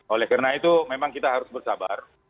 oleh karena itu memang kita harus bersabar